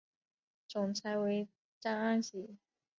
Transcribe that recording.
总裁为张安喜。